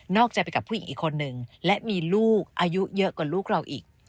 ใจไปกับผู้หญิงอีกคนนึงและมีลูกอายุเยอะกว่าลูกเราอีก